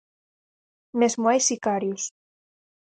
Mesmo hai sicarios.